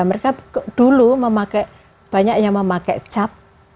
mereka dulu memakai banyak yang memakai cap